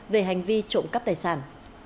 về hành vi trộm cắp tài sản